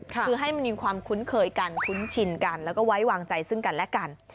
คือให้มันมีความคุ้นเคยกันคุ้นชินกันแล้วก็ไว้วางใจซึ่งกันและกัน